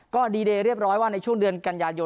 ก็ดีเดย์เรียบร้อยว่าในช่วงเดือนกันยายน